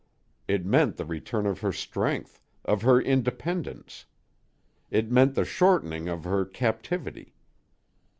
It meant the return of her strength, of her independence. It meant the shortening of her captivity.